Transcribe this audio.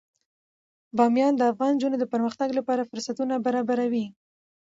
بامیان د افغان نجونو د پرمختګ لپاره فرصتونه برابروي.